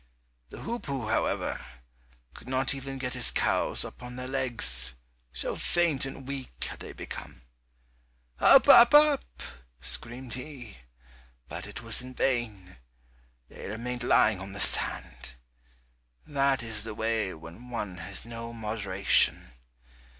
The hoopoe, however, could not even get his cows up on their legs, so faint and weak had they become. "Up, up, up," screamed he, but it was in vain, they remained lying on the sand. That is the way when one has no moderation.